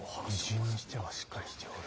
異人にしてはしっかりしておる。